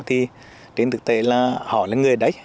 thì trên thực tế là họ là người đấy